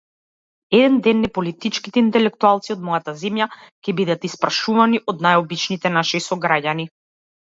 Еден ден неполитичките интелектуалци од мојата земја ќе бидат испрашувани од најобичните наши сограѓани.